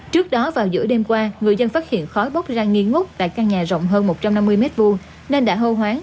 trước đó vào giữa đêm qua người dân phát hiện khói bốc ra nghi ngút tại căn nhà rộng hơn một trăm năm mươi m hai nên đã hô hoáng